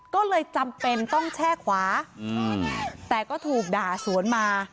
ก็เลยจำเป็นต้องแช่ขวาแต่ก็ถูกด่าสวนมา